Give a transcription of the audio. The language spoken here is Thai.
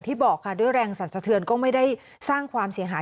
บอกค่ะด้วยแรงสรรสะเทือนก็ไม่ได้สร้างความเสียหาย